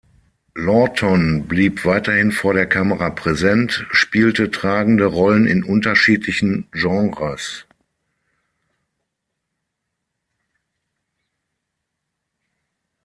Lawton blieb weiterhin vor der Kamera präsent, spielte tragende Rollen in unterschiedlichen Genres.